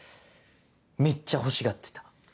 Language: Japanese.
めっちゃ欲しがってた。